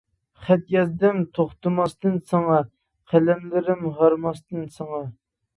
خەت يازدىم توختىماستىن ساڭا، قەلەملىرىم ھارماستىن ساڭا.